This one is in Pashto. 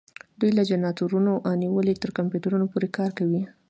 دوی له جنراتورونو نیولې تر کمپیوټر پورې کار کوي.